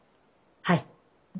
はい。